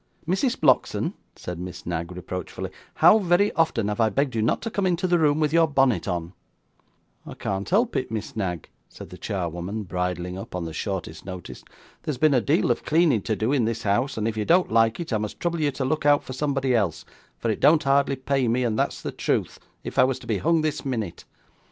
'Mrs. Blockson,' said Miss Knag, reproachfully, 'how very often I have begged you not to come into the room with your bonnet on!' 'I can't help it, Miss Knag,' said the charwoman, bridling up on the shortest notice. 'There's been a deal o'cleaning to do in this house, and if you don't like it, I must trouble you to look out for somebody else, for it don't hardly pay me, and that's the truth, if I was to be hung this minute.